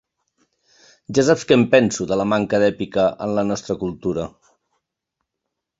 Ja saps què en penso, de la manca d'èpica en la nostra cultura!